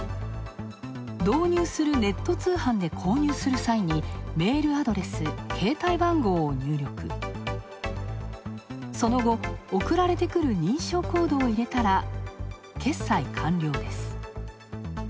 導入するネット通販で、購入する際に、メールアドレス携帯番号を入力、その後、送られてくる認証コードを入れたら、決済完了です。